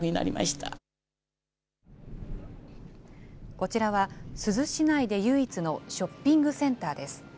こちらは珠洲市内で唯一のショッピングセンターです。